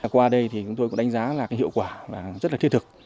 qua đây thì chúng tôi cũng đánh giá là hiệu quả rất là thiết thực